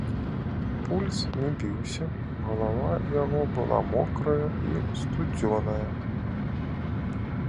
Пульс не біўся, галава яго была мокрая і сцюдзёная.